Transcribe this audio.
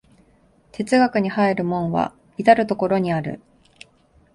哲学に入る門は到る処にある。